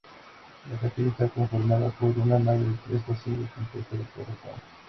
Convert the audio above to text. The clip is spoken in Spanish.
La capilla está conformada por una nave de tres pasillos compuesta de cuatro tramos.